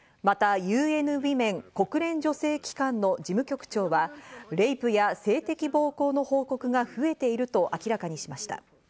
またＵＮＷＯＭＡＮ＝国連女性機関の事務局長は、レイプや性的暴行の報告が増えていると明らかにしました。